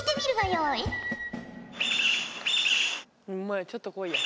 ホンマや「ちょっと来い」や。